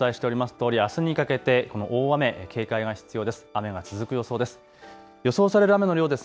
とおりあすにかけて、この大雨に警戒が必要です。